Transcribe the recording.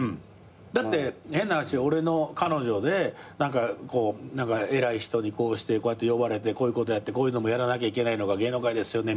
だって変な話俺の彼女で「偉い人にこうしてこうやって呼ばれてこういうことやってこういうのもやらなきゃいけないのが芸能界ですよね」